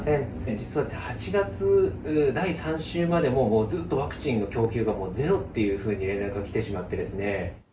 実は８月第３週まで、もうずっとワクチンの供給がゼロっていうふうに連絡が来てしまってですね。